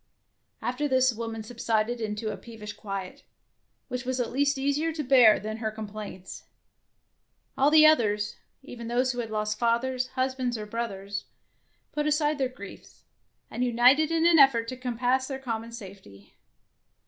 After this the woman subsided into a peevish quiet, which was at least easier to bear than her complaints. All the others, even those who had lost fathers, husbands, or brothers, put aside their griefs, and united in an effort to compass their common safety.